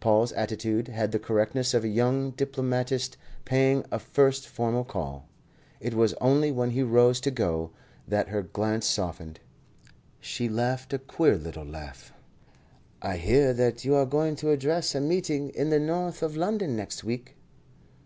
Paul's attitude had the correctness of a young diplomatist paying a first formal call. It was only when he rose to go that her glance softened. She laughed a queer little laugh. "I hear that you are going to address a meeting in the North of London next week."